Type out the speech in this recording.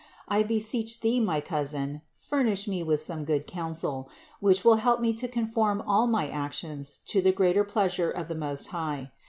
I beseech Thee, my Cousin, furnish me with some good counsel, which will help me to con form all my actions to the greater pleasure of the Most High.